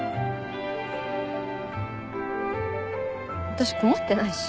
私困ってないし。